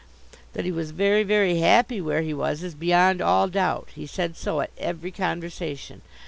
That he was very, very happy where he was is beyond all doubt. He said so at every conversation.